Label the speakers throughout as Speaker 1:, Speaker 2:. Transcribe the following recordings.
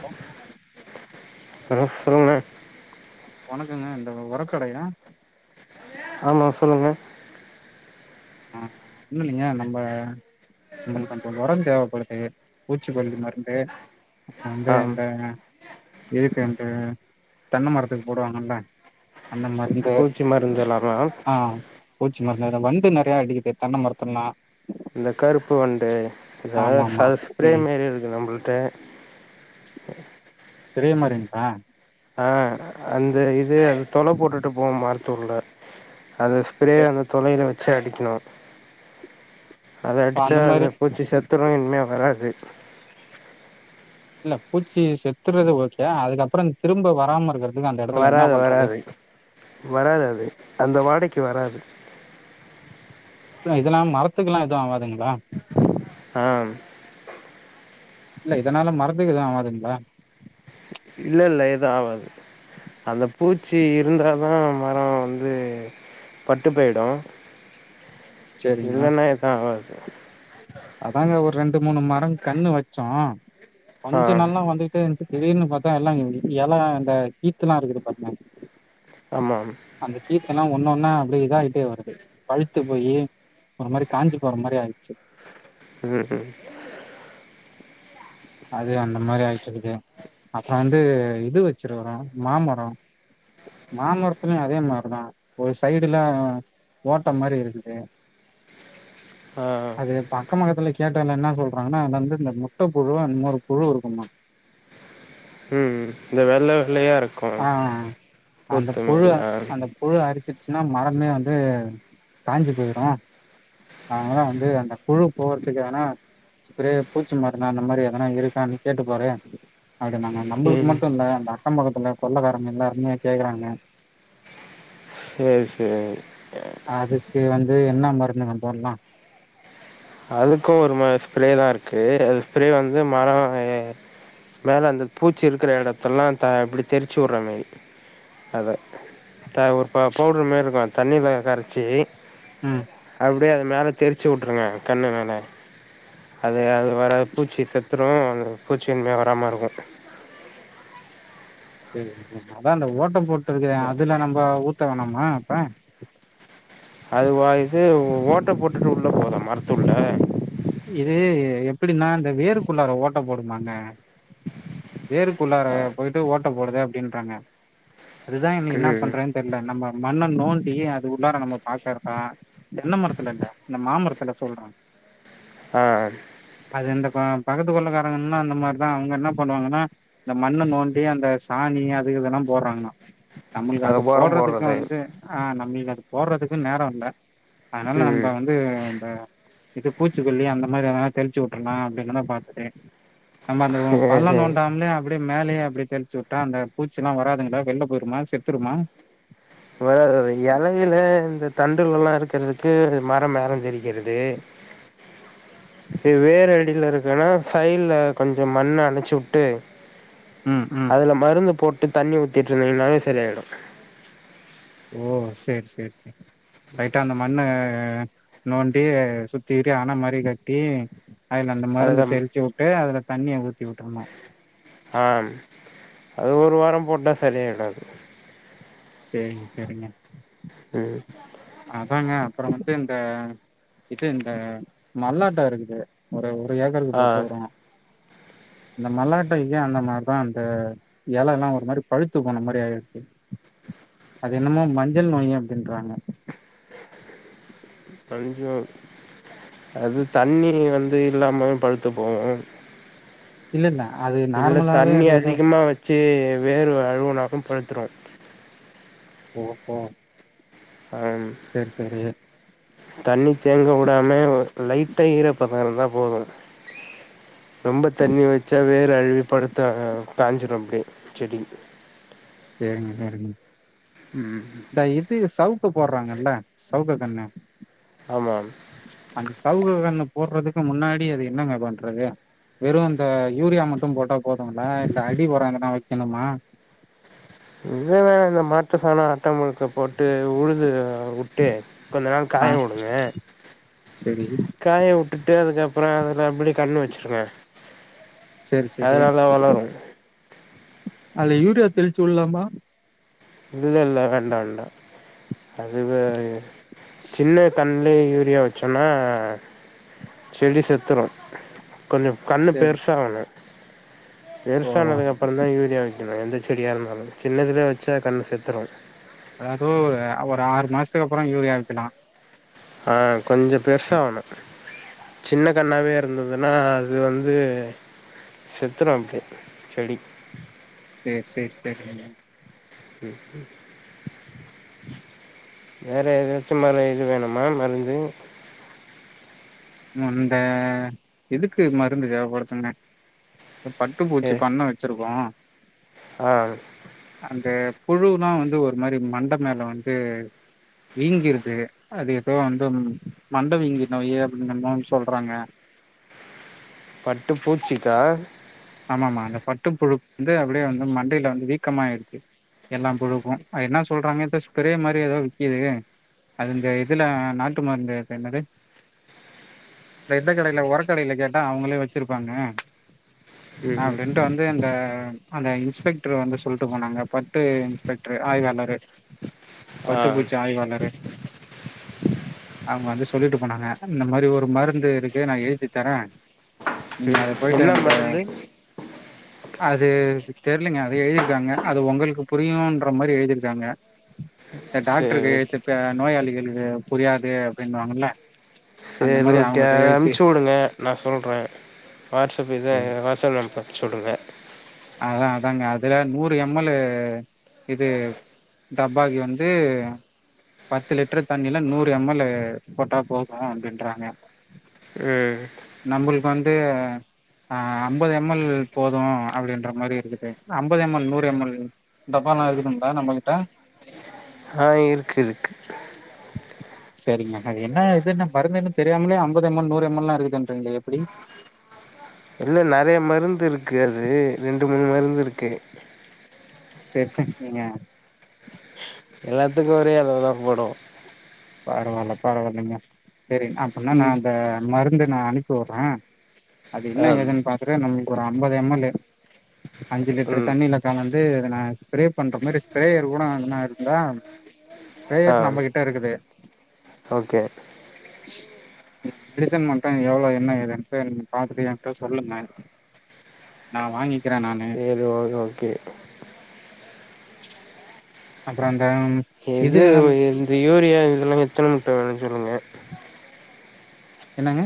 Speaker 1: Bro
Speaker 2: hello சொல்லுங்கண்ண
Speaker 1: வணக்கங்க இந்த உரக்கடையா
Speaker 2: ஆமா சொல்லுங்க
Speaker 1: ம் ஒன்னுல்லிங்க நம்ப நம்மளுக்கு கொஞ்சோ ஒரம் தேவைப்படுது பூச்சிக்கொல்லி மருந்து அந்த
Speaker 2: ஆ
Speaker 1: இந்த இதுக்கு வந்து தென்ன மரத்துக்கு போடுவாங்கல
Speaker 2: பூச்சி மருந்துலாமா
Speaker 1: ஆ [unintelligible] [unintelligible] அடிக்குது தென்ன மரத்தனா
Speaker 2: இந்த கருப்பு வண்டு அத
Speaker 1: ஆமா ஆமா
Speaker 2: சது ஸ்பிரே
Speaker 1: ம்
Speaker 2: மாரி இருக்கு நம்புல்ட்ட [inaudible]
Speaker 1: ஸ்ப்ரே மாறிங்கள
Speaker 2: ஆஹ் அந்த இது தொல போட்டுட்டு போ மரத்துள்ள அந்த ஸ்ப்ரே
Speaker 1: இப்ப
Speaker 2: அந்த தொலையில வச்ச ச்சா அடிக்கணு அத அடிச்சா
Speaker 1: அந்த மாரி
Speaker 2: பூச்சி செத்துரு இனிமே வராது
Speaker 1: இல்ல பூச்சி செத்துறது ஓகே அதுக்கப்ரோ திரும்ப வராம இருக்கிறது
Speaker 2: வராது வராது வராது அது அந்த வாடைக்- க்கு வராது
Speaker 1: இதெல்லாம் மரத்துக்ல்லா எதுவு ஆகாதுங்களா
Speaker 2: ஹா
Speaker 1: இல்ல இதனால மரத்துக்கு எதுவு ஆவாதுங்களா
Speaker 2: இல்ல இல்ல எது ஆவாது அந்த பூச்சி இருந்தாதா மரம் வந்து பட்டு போயிடு
Speaker 1: சேரிங்க
Speaker 2: இல்லன எது ஆவாது [unintelligible]
Speaker 1: அதாங்க ஒரு ரெண்டு மூணு மரங் கண்ணு வச்சோ
Speaker 2: ஆ
Speaker 1: கொஞ்சோ நல்லா வந்துகிட்டே இருந்துச்சு திடீர்னு பாாரத்தா எல்லா இல இந்தந்த கீத்துலா இருக்குது பாரங்க
Speaker 2: ஆமாம்
Speaker 1: துலா ஒன்ன ஒன்னா அப்படியே இத ஆயிட்டே வருது பழுத்து போயி ஒரு மாரி காஞ்சு போற மாரி ஆயிடுச்சு
Speaker 2: உம் உம்
Speaker 1: அது அந்த மாதிரி ஆயிட்டு இருக்குது அப்ரோ வந்து இது வச்சிருக்குறோ மாமரோ மாமரத்துலயு அதே மாரி தா ஒரு சைடுல ஓட்ட மாரி இருக்குது
Speaker 2: ஆ
Speaker 1: அது பக்கமக்கத்துல கேட்டல என்ன சொல்றாங்கன்னா அது வந்து இந்த முட்ட புழுவ இண்ணொரு புழு இருக்கும்மா
Speaker 2: ம் இந்த வெல்ல
Speaker 1: ஆஹ் அந்த புழு
Speaker 2: மாரி ஆ
Speaker 1: அந்த புழு அரிச்சிருச்சு ன்னா மரமே வந்து காஞ்சி போயிரு அதனால வந்து அந்த புழு போறதுக்கு ஏதாவது ச்பரே பூச்சி மருணா அந்த மாரி எதனா இருக்கான்னு கேட்டு பாறு அட நாங்க நம்பளுக்கு
Speaker 2: ம்
Speaker 1: மட்டுல அந்த அக்கம் பக்கத்துல கொள்ளக்காரங்க எல்லாருமே கேக்குறாங்க
Speaker 2: செரி செரி
Speaker 1: அது என்ன மருந்து ந போன்லா
Speaker 2: அதுக்கு ஒரு மா ஸ்ப்ரே தா இருக்கு அது ஸ்ப்ரே வந்து மரம் மேல அந்த பூச்சி இருக்கிற இடத்தல்லா த இப்படி தெரிச்சு விடுறமாரி அத த ஒரு ப பவுடரு மாரி இருக்கும் தண்ணியில கரைச்சி
Speaker 1: ம்
Speaker 2: அப்டிய மேலே தெரிச்சு விட்ருங்க கன்னு மேலே அது அது வராது பூச்சி செத்துடும் அந்த பூச்சியின்மையாக வராமல் இருக்கும்
Speaker 1: சரி அதான் ஓட்டம் போட்டு இருக்கு அதுல நம்ம ஊத்த வேணம்மா ஆ
Speaker 2: அது வாயது ஓட்டை போட்டுட்டு உள்ள போகுதா மரத்துள்ள
Speaker 1: இது எப்படின்னா இந்த வேருக்குள்ளார ஓட்ட போடுமாங்க வேருக்குள்ளார போயிட்டு ஓட்ட போடுதே அப்டிறாங்க அதுதான் என்ன என்ன
Speaker 2: ம்
Speaker 1: பண்றேன்னு தெரியல நம்ம மண்ண நோண்டி அது உள்ளார நம்ம பாக்கறதா தென்ன மரத்துல இல்ல இந்த மாமரத்துல சொல்றன்
Speaker 2: ஆஹம்
Speaker 1: அது இந்த பக்கத்து கொள்ளக்காரங்கன்னா அந்த மாதிரிதான் அவங்க என்ன பண்ணுவாங்கன்னா இந்த மண்ணை நோண்டி அந்த சாணி அது இதெல்லாம் போடுறாங்கன்னா நம்மளுக்கு அது
Speaker 2: ஒரம்
Speaker 1: போடுறதுக்கு
Speaker 2: போடுறது
Speaker 1: வந்து ஆஹ் நம் நீங்க அது போறதுக்கும் நேரம் இல்ல அதனால நம்ம
Speaker 2: ம்
Speaker 1: வந்து இந்த இது பூஜ் ச்சி கொல்லி அந்த மாதிரி எதனா தெளிச்சு விட்டுடலாம் அப்படின்னுதான் பாத்துட்டு நம்ம அந்த
Speaker 2: சேரி
Speaker 1: பள்ளம்தோண்டாம்லே அப்படியே மேலேயே அப்படியே தெளிச்சு விட்டா அந்த பூச்சி எல்லாம் வராதுங்களா வெளில போயிருமா செத்துருமா
Speaker 2: இலையில இந்த தண்டுல எல்லாம் இருக்கிறதுக்கு மரம் ஏரம் தெரிக்கிறது வேற அடியில இருக்குன்னா சைட்ல்ல கொஞ்சம் மண்ணு அணைச்சு விட்டு
Speaker 1: ம் ம்
Speaker 2: அதுல மருந்து போட் விட்டு தண்ணி ஊத்திட்டு இருந்தீங்கனாலே சரியாயிடும்
Speaker 1: ஓ சரி சரி சரி லைட்டா அந்த மண்ணு அஹ் நோண்டி சுத்திரி அண மாரி கட்டி அதுல அந்த மருந்த
Speaker 2: அதுல
Speaker 1: தெளிச்சி விட்டு அதுல தண்ணிய ஊத்தி வுட்டுருணு
Speaker 2: ஆம் அது ஒரு வாரோ போட்ட சரியாயிடோ அது
Speaker 1: செரிங்க செரிங்க
Speaker 2: உம்
Speaker 1: அதாங்க அப்புறோ வந்து இந்த இது இந்த மல்லாட்டோ இருக்குது ஒரு ஒரு ஏக்கருக்கு
Speaker 2: ஆ
Speaker 1: போட்டு வரோ இந்த மல்லாட்டைக்கு அந்த மாரிதா அந்த இலலா ஒரு மாரி பழுத்து போன மாரி ஆயிருது அது என்னமோ மஞ்சள் நோய் அப்படின்றாங்க
Speaker 2: கொஞ்சோ அது தண்ணி வந்து இல்லாமே பழுத்து போவோ
Speaker 1: இல்ல அது
Speaker 2: இல்ல
Speaker 1: நார்மலாவே
Speaker 2: தண்ணி
Speaker 1: அது ஏதோ
Speaker 2: அதிகமா வச் சி வேரு அழுவுனாலு பழுத்துறோ
Speaker 1: ஓஹோ
Speaker 2: ஆம்
Speaker 1: சரி சரி
Speaker 2: தண்ணி தேங்க விடாம லைட்டா ஈர பதோ இருந்தா போதோ ரொம்ப தண்ணி வச்சா வேரு அழுவி பருத்தா காஞ்சிரோ அப்படியே செடி
Speaker 1: சரிங்க சரிங்க இந்த இது சவுக்கு போடுறாங்கல்ல சௌக்கு கன்னு
Speaker 2: ஆமாம்
Speaker 1: அந்த சவுக்கு கண்ணு போடுறதுக்கு முன்னாடி அது என்னங்க பண்றது வெறு அந்த யூரியா மட்டு போட்டா போதுங்களா இல்ல அடி உரோ எதுன்னா வைக்கணுமா
Speaker 2: எது வேணா இந்த மாட்டு சாணோ ஆட்டா முழுக்க போட்டு உழுது வுட்டு கொஞ்ச நாள்
Speaker 1: ஆ
Speaker 2: காய வுடுங்க
Speaker 1: சரி.
Speaker 2: காய வுட்டுட்டு அதுக்கப்புறோ அதுல அப்படியே கன்னு வெச் சொல்லுங்க
Speaker 1: சரி
Speaker 2: அதனால வளரு
Speaker 1: அல்ல யூரியா தெளிச்சு வுட்லாமா
Speaker 2: இல்ல இல்ல வேண்டா வேண்டா அது வே சின்ன கன் இதுல யூரியா வெச்சோன்னா செடி செத்துரோ கொஞ்சோ கன்னு
Speaker 1: சரி
Speaker 2: பெருசாகணு
Speaker 1: ஓ
Speaker 2: பெருசானதுக்கு அப்புறோ தா யூரியா எந்த செடியா இருந்தாலு சின்னதுலய வச்சா கன்னு செத்துரு
Speaker 1: அதாவுது ஒரு ஒரு ஆறு மாசத்துக்கு அப்புறோ யூரியா வெக்கலா
Speaker 2: ஆஹ் கொஞ்சோ பெருசா ஆவணு சின்ன கன்னாவே இருந்ததுன்னா அது வந்து செத்துரோ அப்படியே செடி
Speaker 1: சேர் சேர் சேரி நீங்க
Speaker 2: வேற ஏதாச்சும் மர இது வேணுமா மருந்து
Speaker 1: இந்த இதுக்கு மருந்து தேவபடுத்துணே
Speaker 2: ஏ
Speaker 1: பட்டுப்பூச்சி பண்ண வெச்சிருக்கோ
Speaker 2: ஆ
Speaker 1: அந்த புழுலாம வந்து ஒரு மாரி மண்ட மேல வந்து வீங்கிரு அது ஏதோ வந்து மண்ட வீங்கி நோய அங்கனன்னு சொல்றாங்க
Speaker 2: பட்டு பூச்சிக்கா
Speaker 1: ஆமாம்மா இந்தந்த பட்டு புழு வந்து அப்படியே வந்து மண்டயில வந்து வீக்கமிருச்சு எல்லா புழுக்கும்து என்ன சொல்றாங்க ஏதோ பிரே மாதிரி ஏதோ விற்கது அது இந்த இதுல நாட்டு மருந்த என்னது இந்த எ கடையில உரக்கடையில கேட்டா அவங்களே வச்சிருப்பாங்க அ
Speaker 2: ம்
Speaker 1: அப்படண்டு வந்து இந்த அந்த இன்ஸ்பெக்டர் வந்து சொல்லிட்டு போனாங்க பட்டு இன்ஸ்பெக்டர் ஆய்வாளரு
Speaker 2: ஆ
Speaker 1: பட்டுப்பூச்சி ஆய்வாளரு அவங்க வந்து சொல்லிட்டு போனாங்க இந்த மாதிரி ஒரு மருந்து இருக்கு நா எழுதி தரே நீங்க
Speaker 2: ம்
Speaker 1: அத போயிட்டு
Speaker 2: என்ன
Speaker 1: அந்த
Speaker 2: மருந்து
Speaker 1: அது தெர்லங்க அது எழுதிருக்காங்க அது உங்களுக்கு புரியுன்ற மாரி எழுதிருக்காங்க ந்த
Speaker 2: சரி
Speaker 1: டாக்டர்
Speaker 2: ஓகே
Speaker 1: கையெழுத்துப்பெ நோயாளிகள் இது புரியாது அப்படின்னுவாங்கல
Speaker 2: சரி ஓகே அத அனுப்ச்சு வுடுங்க நா சொல்ற வாட்ஸ்அப் இது வாட்ஸ்அப்ல அனுப்பு ச்சு வுடுங்க
Speaker 1: அதா அதாங்க அதுல நூறு எம் எல் இது டப்பாகு வந்து பத்து லிட்டர் தண்ணியில நூறு எம் எல் போட்டா போது அப்படின்றாங்க
Speaker 2: ம்
Speaker 1: நம்மளுக் வந்து ஆ அம்பது எம் எல் போது அப்படின்ற மாரி இருக்குது அம்பது எம் எல் நூறு எம் எல் டப்பாலா இருக்குதுங்களா நம்மகிட்ட
Speaker 2: ஆ இருக்கு இருக்கு
Speaker 1: சரிங்க அது என்ன இதுன்னா மருந்துன்னு தெரியாமலே அம்பது எம் எல் நூறு எம் எல் ல்லா இருக்குதுன்றீங்கள எப்டி
Speaker 2: இல்ல நெறைய மருந்து இருக்கு அது ரெண்டு மூணு மருந்து இருக்கு
Speaker 1: பெர்ஷன் நீங்க
Speaker 2: எல்லாத்துக்கு ஒரே அளவுதா போடு
Speaker 1: பரவால்ல பரவால்லைங்க சரி அப்படுனா நா
Speaker 2: ம்
Speaker 1: அந்த மரு ந்த நா அனுப்பி வுட்ற அது
Speaker 2: ஆ
Speaker 1: என்ன ஏதுன் பாக்குறது நம்மள்க் ஒரு அம்பது எம் எல் அஞ்சு லிட்டர்
Speaker 2: ம்
Speaker 1: தண்ணில கலந் து [unintelligible] ப்ரே பண்ற மாரி ஸ்ஃப்ரேயர் கூட என்ன இருந்தா
Speaker 2: ஆ
Speaker 1: ஸ்ஃப்ரேயர் நம்ம கிட்ட இருக்குது
Speaker 2: ஓகே
Speaker 1: மெடிசன் மட்டு எவ்ளோ என்ன ஏதுன்ட்டு எனக்கு நீங் பாத்துட்டு என்ட்ட சொல்லுங்க நா வாங்கி
Speaker 2: சேரி ஓஹே ஓகே
Speaker 1: அப்பறம்
Speaker 2: எது வ எந்தி யூரியா இதெல்லா எத்தன முட்ட வேணுன் சொல்லுங்க
Speaker 1: என்னங்க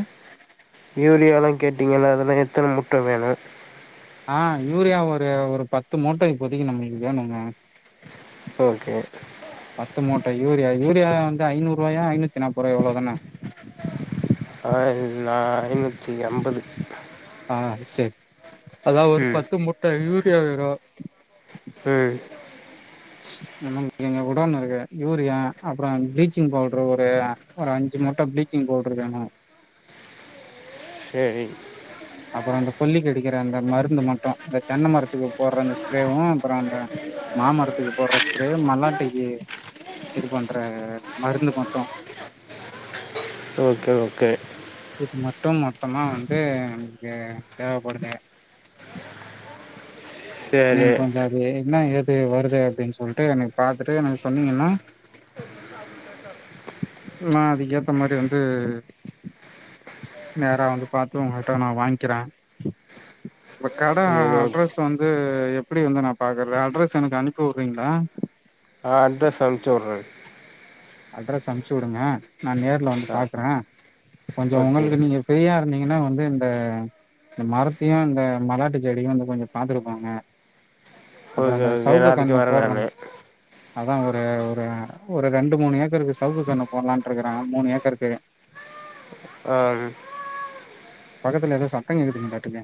Speaker 2: யூரியாலா கேட்டீங்கல்ல அதெல்லா எத்தன முட்ட வேணு
Speaker 1: ஆஹ் யூரியா ஒரு ஒரு பத்து மூட்ட இப்போதைக்கு நம்மளுக்கு வேணுங்க
Speaker 2: ஓகே
Speaker 1: பத்து மூட்ட யூரியா யூரியா வந்து ஐநூறுவாயா ஐநூ
Speaker 2: அ நா ஐநூற்றி அம்பது
Speaker 1: ஆஹ் சரி அதாவ் ஒரு
Speaker 2: ம்
Speaker 1: பத்து மூட்ட யூரியா வேணு
Speaker 2: உம்
Speaker 1: நம்ம [inaudible] குடோனுருக்கு யூரியா அப்புறோ பிளீச்சிங் பவுடரு ஒரு ஒரு அஞ்சு மூட்ட பிளீச்சிங் பவுடரு வேணு
Speaker 2: சேரி
Speaker 1: அப்புறோ அந்த கொல்லிக்கு அடிக்கிற அந்த மருந்து மட்டு அந்த தென்ன மரத்துக்கு போடுற அந்த ஸ்ப்ரேவு அப்புற அந்த மாமரத்துக்கு போடுற ஸ்ப்ரே மல்லாட்டிக்கு இது பண்றாங்க
Speaker 2: ஓகே ஓகே
Speaker 1: இது மட்டு மொத்தமா வந்து நமக்கு தேவப்படுது
Speaker 2: சேரி
Speaker 1: நீங்க கொஞ்சோ அது என்னா ஏது வருது அப்டின் சொல்டு நீங் பாத்துட்டு சொன்னீங்கன்னா, மாரி அதுக்கேத்தமாரி வந்து, நேரா வந்து பாத்து உங்கட்ட நா வாங்கிறே உங்க கட
Speaker 2: சேரி ஓகே
Speaker 1: அட்ரஸ் வந்து ந்து எப்பிடி வந்து நா பாக்கறது அட்ரஸ் எனக்கு அனுப்பி உடுறீங்களா
Speaker 2: ஆ அட்ரஸ் அம்ச்சு உடுறே
Speaker 1: அட்ரஸ் அம்ச்சு உடுங்க நா நேர்ல வந்து
Speaker 2: ஆ
Speaker 1: பாக்கறே கொஞ்சோ
Speaker 2: ஓகே
Speaker 1: உங்களுக்கு நீங்க ஃப்ரியா நீங்கன்னா வந்து இந்த இந்த மரத்தையு இந்த மல்லாட்டு செடியையு வந்து கொஞ்சோ பாத்துட்டு போங்க
Speaker 2: ஓகே ஓகே நாளைக்கி வரே நானு
Speaker 1: அதா ஒரு ஒரு ஒரு ரெண்ட் ரெண்டு மூணு ஏக்கருக்கு சவுக்கு கண்ணு போடலான்றுக்குறே மூணு ஏக்கருக்கு
Speaker 2: ஆ
Speaker 1: பக்கத்துல ஏதோ சத்தோ கேக்குதுங்க டாட்டுக்கு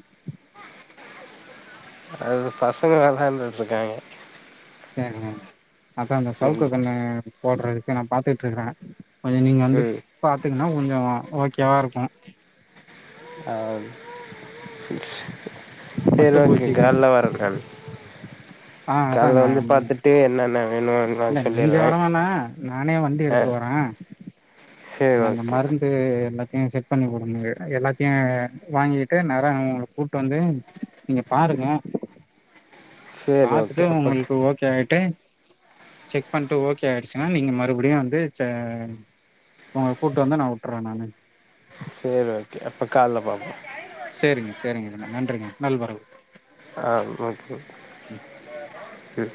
Speaker 2: அது பசங்க வெளாண்டு இருக்காய்ங்க
Speaker 1: சேரிங்க அதாங்க சவுக்கு கண்ணு போடுறதுக்கு நா பாத்துட்டு இருக்கே கொஞ்சோ நீங்க வந்து
Speaker 2: ம்
Speaker 1: பாத்துக் ங்ன்னா கொஞ்சோ ஓகேவாருக்கும்
Speaker 2: அ செரி ஓகே
Speaker 1: பட்டுப்பூச்சிக்கு
Speaker 2: கால்ல வரங்க
Speaker 1: ஆ
Speaker 2: கால்ல
Speaker 1: அதாங்க
Speaker 2: வந்து
Speaker 1: நீங்க
Speaker 2: பாத்துட்டு என்னென்ன வேணுனு நா
Speaker 1: இல்ல நீங்க
Speaker 2: சொல்லிடுறே
Speaker 1: வரவேனா நானே வந்து
Speaker 2: ஆ
Speaker 1: எடுத்துட்டு வரே
Speaker 2: சரி
Speaker 1: நீங்க அந்த
Speaker 2: ஓகே
Speaker 1: மருந்து பத் நீங்க செட் பண்ணி குடுங்க அது எல்லாத்தையு வாங்கிட்டு நேரா உங்கள கூப்புட்டு வந்து நீங்க பாருங்க
Speaker 2: சரி
Speaker 1: பாத்துட்டு
Speaker 2: ஓகே அப்ப
Speaker 1: உங்களுக்கு ஓகே ஆயிட்டு செக் பண்ணிட்டு ஓகே ஆயிடுச்சுன்னா நீங்க மறுபடியு வந்து ச உங்க கூட்டு வந்து நா வுட்டுறே நானு.
Speaker 2: செரி ஓகே அப்ப கால்ல பாப்போ
Speaker 1: செரிங்க செரிங்க நன்றிங்க நல்வரவு.
Speaker 2: ஆ க
Speaker 1: ம்
Speaker 2: ம்.